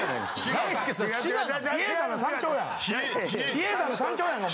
比叡山の山頂やんか。